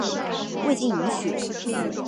未经允许